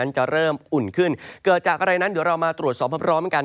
จะเริ่มอุ่นขึ้นเกิดจากอะไรนั้นเดี๋ยวเรามาตรวจสอบพร้อมกัน